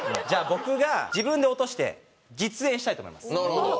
じゃ僕が自分で落として実演したいと思います。